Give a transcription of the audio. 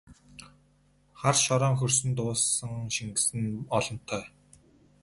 Хар шороон хөрсөнд уусан шингэсэн нь олонтой!